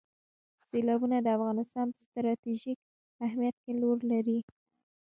سیلابونه د افغانستان په ستراتیژیک اهمیت کې رول لري.